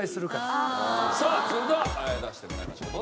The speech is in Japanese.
さあそれでは出してもらいましょう。